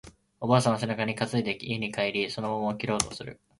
おばあさんは背中に担いで家に帰り、その桃を切ろうとする